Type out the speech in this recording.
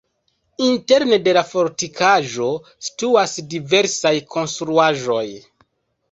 Interne de la fortikaĵo situas diversaj konstruaĵoj.